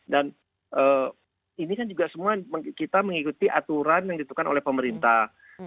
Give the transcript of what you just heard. dan ini kan juga semua kita mengikuti aturan yang ditukar oleh pemerintah